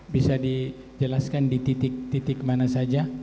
bisa dijelaskan di titik titik mana saja